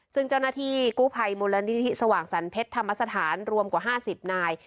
ซึ่งเจ้าหน้าที่กู้ภัยมูลนิธิสว่างสรรเพชรธรรมสถานรวมกว่า๕๐นาย